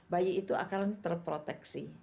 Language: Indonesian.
bayi itu akan terproteksi